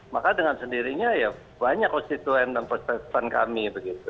maka dengan sendirinya ya banyak konstituen dan konstituen kami begitu